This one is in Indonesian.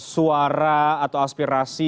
suara atau aspirasi